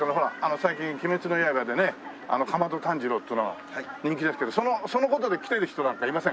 最近『鬼滅の刃』でね竈門炭治郎というのが人気ですけどその事で来てる人なんかいません？